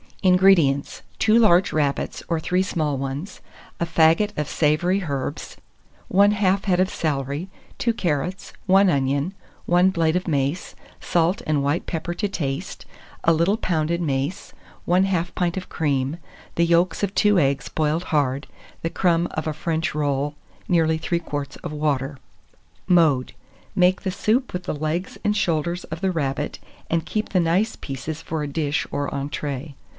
181. INGREDIENTS. 2 large rabbits, or 3 small ones; a faggot of savoury herbs, 1/2 head of celery, 2 carrots, 1 onion, 1 blade of mace, salt and white pepper to taste, a little pounded mace, 1/2 pint of cream, the yolks of 2 eggs boiled hard, the crumb of a French roll, nearly 3 quarts of water. Mode. Make the soup with the legs and shoulders of the rabbit, and keep the nice pieces for a dish or entrée.